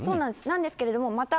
なんですけれども、また。